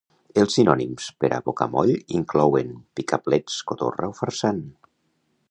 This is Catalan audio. Els sinònims per a bocamoll inclouen: picaplets, cotorra, o farsant.